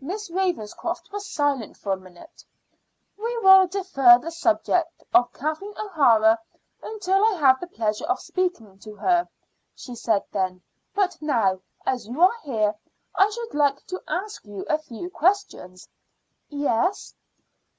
Miss Ravenscroft was silent for a minute. "We will defer the subject of Kathleen O'Hara until I have the pleasure of speaking to her," she said then. "But now, as you are here, I should like to ask you a few questions." "Yes."